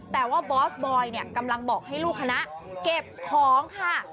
แต่ว่าบอสบอยเนี่ยกำลังบอกให้ลูกคณะเก็บของค่ะ